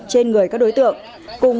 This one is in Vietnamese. trên người các đối tượng cùng